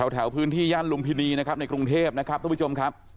แถวพื้นที่ย่านลุมพินีนะครับในกรุงเทพนะครับทุกผู้ชมครับ